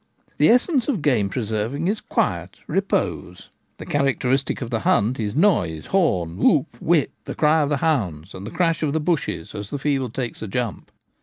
The essence of game preserving is quiet, repose ; the characteristic of the hunt is noise, horn, whoop, whip, the cry of the hounds, and the crash of the bushes as the field takes a jump.